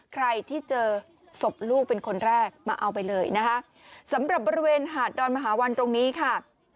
ใครที่เจอศพลูกเป็นคนแรกมาเอาไปเลยนะคะสำหรับบริเวณหาดดอนมหาวันตรงนี้ค่ะ